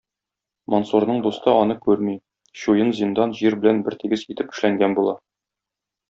Мансурның дусты аны күрми, чуен зиндан җир белән бертигез итеп эшләнгән була.